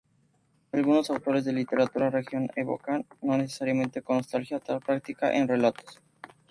Algunos autores de literatura regional evocan, no necesariamente con nostalgia, tal práctica en relatos.